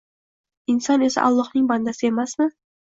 Inson esa Ollohning bandasi emasmi?